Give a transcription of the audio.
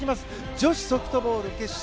女子ソフトボール決勝